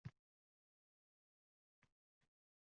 Hammaning oldida ustozni haqorat qildi.